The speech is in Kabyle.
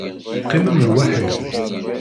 Qqimem lwaḥid.